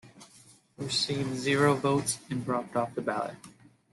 He received zero votes and dropped off the ballot.